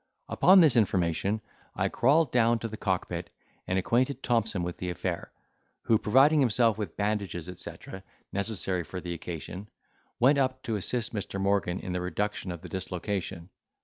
Upon this information I crawled down to the cock pit, and acquainted Thompson with the affair, who, providing himself with bandages, etc, necessary for the occasion, went up to assist Mr. Morgan in the reduction of the dislocation.